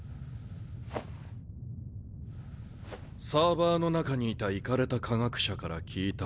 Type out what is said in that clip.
サーバーの中にいたイカれた科学者から聞いた。